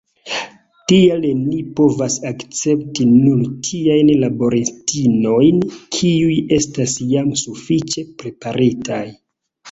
Tial ni povas akcepti nur tiajn laboristinojn, kiuj estas jam sufiĉe preparitaj.